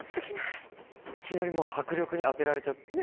いきなりもう迫力にあてられちゃって。